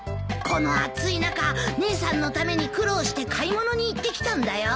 この暑い中姉さんのために苦労して買い物に行ってきたんだよ？